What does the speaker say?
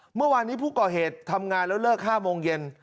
เมื่อวานนี้ผู้ก่อเหตุทำงานแล้วเลิก๕โมงเย็น